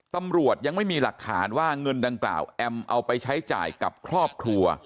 ตำรวจยังไม่มีหลักฐานว่าเงินดังกล่าวแอมเอาไปใช้จ่ายกับครอบครัว